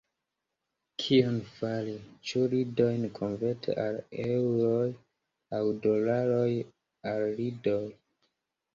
Kion fari: ĉu lidojn konverti al eŭroj, aŭ dolarojn al lidoj?